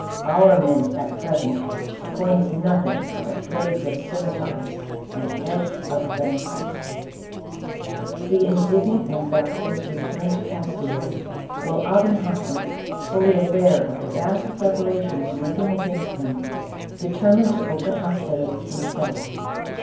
Our mint, at present, coins nothing but blades of scimi ters and heads of lances 1" The indignant ambassa dors returned to Castile, while Aben Hassen, fully aware of the vast preparations making against him, determined to open hostilities himself.